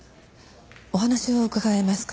お話を伺えますか？